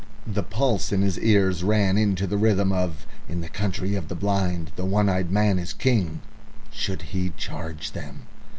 The pulse in his ears ran into the rhythm of "In the Country of the Blind the One eyed Man is King!" Should he charge them?